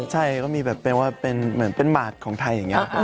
ใช่ก็มีแบบเป็นว่าเป็นหมาตรของไทยอย่างนี้